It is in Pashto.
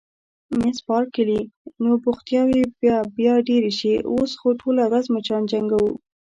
مس بارکلي: نو بوختیاوې به بیا ډېرې شي، اوس خو ټوله ورځ مچان جنګوو.